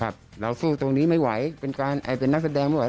ครับเราสู้ตรงนี้ไม่ไหวเป็นนักแสดงไม่ไหว